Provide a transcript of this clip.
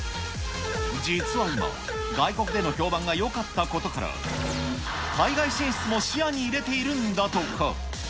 実は今、外国での評判がよかったことから、海外進出も視野に入れているんだとか。